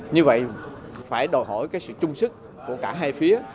như vậy phải đòi hỏi cái sự chung sức của cả hai phía